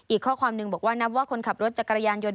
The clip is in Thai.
อีกข้อความหนึ่งบอกว่านับว่าคนขับรถจักรยานยนต